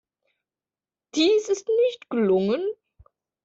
Dies ist nicht gelungen.